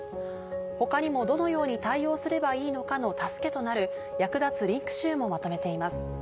他にもどのように対応すればいいのかの助けとなる役立つリンク集もまとめています。